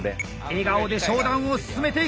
笑顔で商談を進めていく！